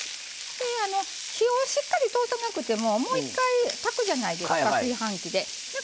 火をしっかり通さなくてももう一回炊くじゃないですか。